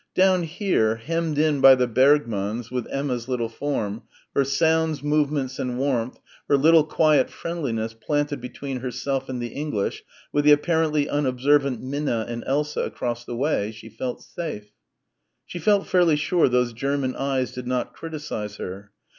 Down here, hemmed in by the Bergmanns with Emma's little form, her sounds, movements and warmth, her little quiet friendliness planted between herself and the English, with the apparently unobservant Minna and Elsa across the way she felt safe. She felt fairly sure those German eyes did not criticise her.